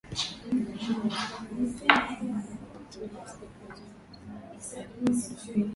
jamii ni suala wanalokutana nalo kila siku Elias Sostenes ni mmoja wa kundi la